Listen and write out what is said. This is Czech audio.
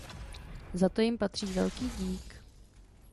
Za to jim patří velký dík.